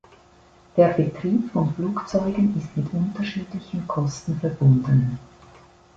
Der Betrieb von Flugzeugen ist mit unterschiedlichen Kosten verbunden.